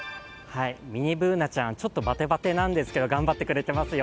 ミニＢｏｏｎａちゃん、ちょっとバテバテなんですけど、頑張ってくれていますよ。